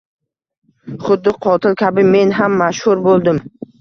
Xuddi qotil kabi men ham mashhur bo`ldim